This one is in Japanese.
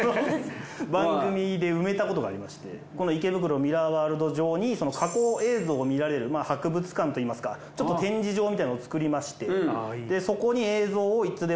番組で埋めたことがありましてこの池袋ミラーワールド上に過去映像を観られる博物館といいますかちょっと展示場みたいのを作りましてそこに映像をいつでも。